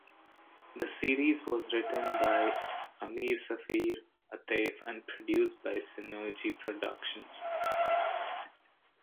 The series was written by Amr Samir Atef and produced by Synergy Productions.